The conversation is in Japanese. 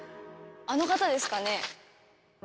あの方ですかね。